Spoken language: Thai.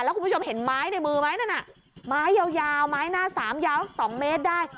แล้วคุณผู้ชมเห็นไม้ในมือไหมนั่นน่ะไม้ยาวไม้หน้าสามยาว๒เมตรได้